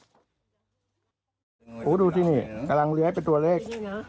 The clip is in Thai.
โอ้โหดูที่นี่กำลังเลื้อยเป็นตัวเลข